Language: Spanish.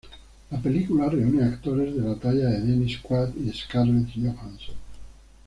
La película reúne a actores de la talla de Dennis Quaid y Scarlett Johansson.